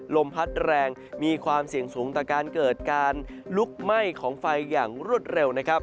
ลมพัดแรงมีความเสี่ยงสูงต่อการเกิดการลุกไหม้ของไฟอย่างรวดเร็วนะครับ